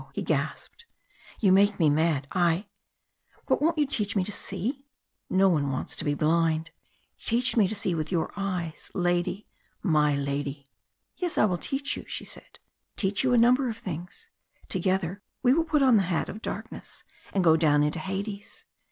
he gasped. "You make me mad I But won't you teach me to see? No one wants to be blind! Teach me to see with your eyes, lady my lady." "Yes, I will teach you!" she said. "Teach you a number of things. Together we will put on the hat of darkness and go down into Hades.